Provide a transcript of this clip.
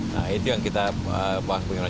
nah itu yang kita pahami